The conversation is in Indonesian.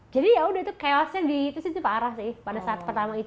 jadi yaudah itu chaosnya di situ sih parah sih pada saat pertama itu